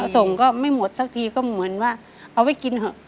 ส่งก็ไม่หมดสักทีก็เหมือนว่าเอาไว้กินเถอะ